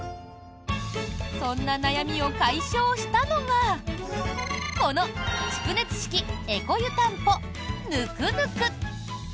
そんな悩みを解消したのがこの蓄熱式エコ湯たんぽぬくぬく。